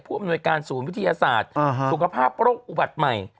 อำนวยการศูนย์วิทยาศาสตร์สุขภาพโรคอุบัติใหม่